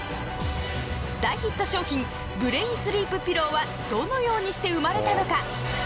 大ヒット商品ブレインスリープピローはどのようにして生まれたのか？